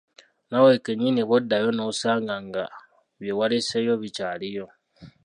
Naawe kennyini bw‘oddayo n‘osanga nga bye waleseeyo bikyaliyo.